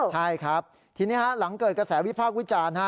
ใช่ครับทีนี้หลังเกิดกระแสวิพากษ์วิจารณ์